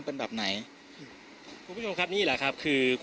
มันไม่ใช่แหละมันไม่ใช่แหละ